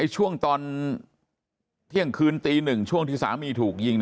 ช่วงตอนเที่ยงคืนตี๑ช่วงที่สามีถูกยิง